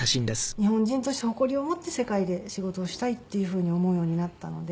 日本人として誇りを持って世界で仕事をしたいっていうふうに思うようになったので。